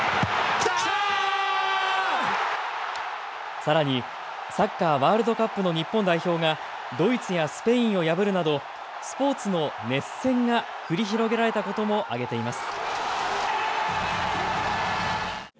さらにサッカーワールドカップの日本代表がドイツやスペインを破るなどスポーツの熱戦が繰り広げられたことも挙げています。